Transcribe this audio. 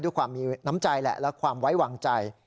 ด้วยความมีน้ำใจแหละและความไว้วางใจ